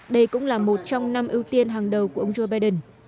đây cũng là một trong năm ưu tiên hàng đầu của ông joe biden